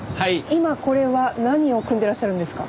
今これは何を汲んでらっしゃるんですか？